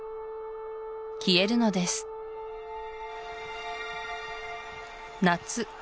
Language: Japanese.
消えるのです夏